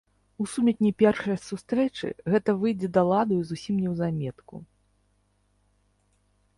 У сумятні першай сустрэчы гэта выйдзе да ладу і зусім неўзаметку.